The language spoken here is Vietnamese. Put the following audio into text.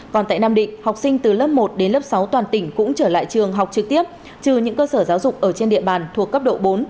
còn tại nam định học sinh từ lớp một đến lớp sáu toàn tỉnh cũng trở lại trường học trực tiếp trừ những cơ sở giáo dục ở trên địa bàn thuộc cấp độ bốn